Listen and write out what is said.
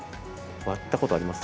割ったことあります？